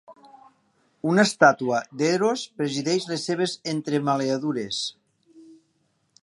Una estàtua d'Eros presideix les seves entremaliadures.